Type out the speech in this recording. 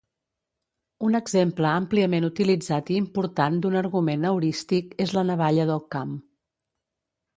Un exemple àmpliament utilitzat i important d'un argument heurístic és la navalla d'Occam.